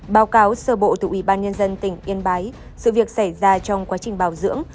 báo cáo sở bộ tụi y ban nhân dân tỉnh yên báy sự việc xảy ra trong quá trình bảo dưỡng